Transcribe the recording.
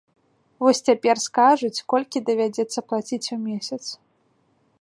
Вось цяпер скажуць, колькі давядзецца плаціць у месяц.